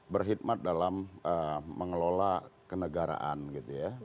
berhidmat dalam mengelola kenegaraan gitu ya